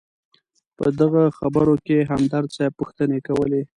په دغه خبرو کې همدرد صیب پوښتنې کولې.